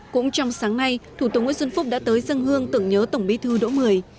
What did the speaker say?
cũng trong sáng nay thủ tướng nguyễn xuân phúc đã tới dân hương tưởng nhớ tổng bí thư đỗ mười